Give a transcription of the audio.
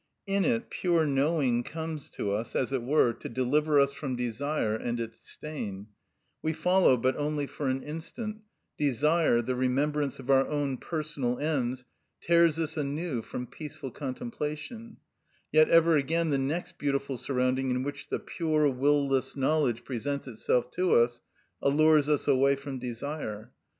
In it pure knowing comes to us, as it were, to deliver us from desire and its stain; we follow, but only for an instant; desire, the remembrance of our own personal ends, tears us anew from peaceful contemplation; yet ever again the next beautiful surrounding in which the pure will less knowledge presents itself to us, allures us away from desire.